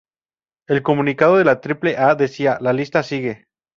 El comunicado de la Triple A decía: ""La lista sigue.